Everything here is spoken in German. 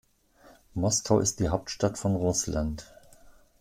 Moskau ist die Hauptstadt von Russland.